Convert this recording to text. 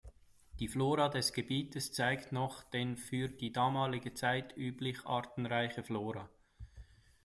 Die Flora des Gebietes zeigt noch den für die damalige Zeit üblich artenreiche Flora.